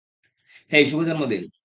হেই শুভ জন্মদিন!